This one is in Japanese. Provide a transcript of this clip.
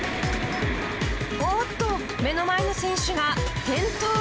おーっと、目の前の選手が転倒。